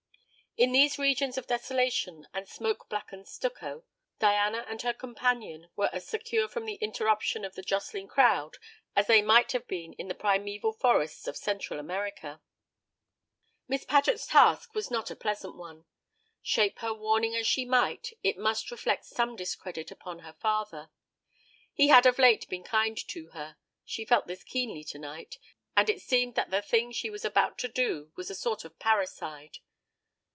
In these regions of desolation and smoke blackened stucco Diana and her companion were as secure from the interruption of the jostling crowd as they might have been in the primeval forests of Central America. Miss Paget's task was not a pleasant one. Shape her warning as she might, it must reflect some discredit upon her father. He had of late been kind to her; she felt this keenly to night, and it seemed that the thing she was about to do was a sort of parricide.